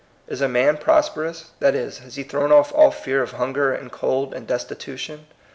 Is a man pros perous? That is, has he thrown off all fear of hunger and cold and destitution?